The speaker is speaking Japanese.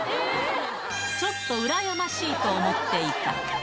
ちょっとうらやましいと思っていた。